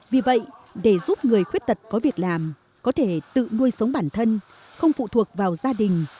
vì vậy để giúp người khuyết tật có việc làm có thể tự nuôi sống bản thân không phụ thuộc vào gia đình